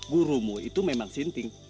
gurumu itu memang sinting